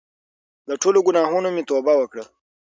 له ټولو ګناهونو مې توبه وکړه.